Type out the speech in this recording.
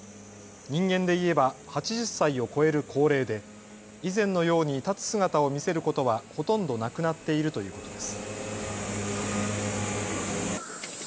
人間で言えば８０歳を超える高齢で以前のように立つ姿を見せることはほとんどなくなっているということです。